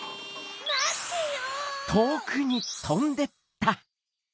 まってよ！